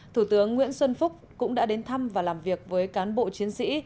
thủ tướng nguyễn xuân phúc cũng đã đến thăm và làm việc với cán bộ chiến sĩ